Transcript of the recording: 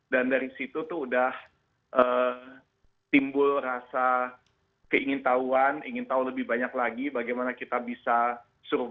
dan dari situ itu sudah timbul rasa keingin tahuan ingin tahu lebih banyak lagi bagaimana kita bisa survive